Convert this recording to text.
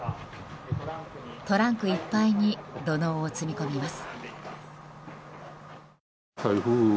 トランクいっぱいに土のうを積み込みます。